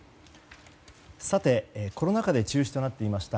コロナ禍で中止となっていました